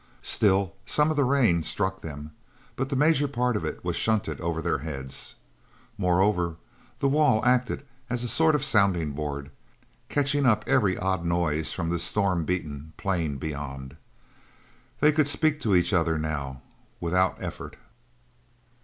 Still some of the rain struck them, but the major part of it was shunted over their heads. Moreover, the wall acted as a sort of sounding board, catching up every odd noise from the storm beaten plain beyond. They could speak to each other now without effort.